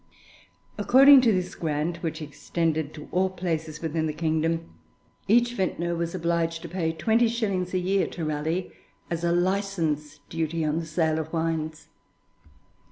According to this grant, which extended to all places within the kingdom, each vintner was obliged to pay twenty shillings a year to Raleigh as a license duty on the sale of wines.